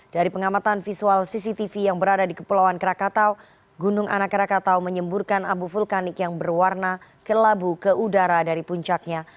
dari pengamatan visual cctv yang berada di kepulauan krakatau gunung anak rakatau menyemburkan abu vulkanik yang berwarna kelabu ke udara dari puncaknya